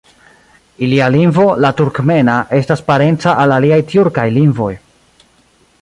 Ilia lingvo, la turkmena, estas parenca al aliaj tjurkaj lingvoj.